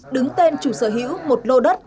đứng tên chủ sở hữu một lô đất